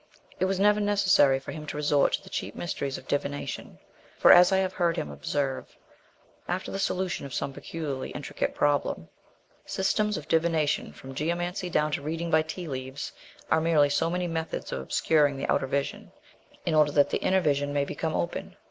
It was never necessary for him to resort to the cheap mysteries of divination; for, as I have heard him observe, after the solution of some peculiarly intricate problem "Systems of divination, from geomancy down to reading by tea leaves, are merely so many methods of obscuring the outer vision, in order that the inner vision may become open.